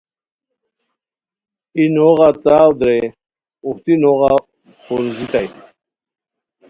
ای نوغا تاو درے اوہتی نوغا پوروزیتائے